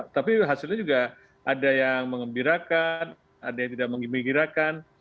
tapi hasilnya juga ada yang mengembirakan ada yang tidak mengembirakan